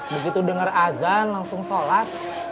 begitu denger ajan langsung sholat